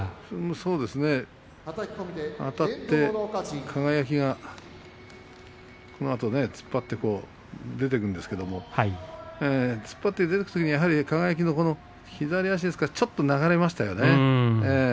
そうですね、あたって輝が突っ張って出ていくんですけれども突っ張って出るくせに輝の左足ですねちょっと流れましたね。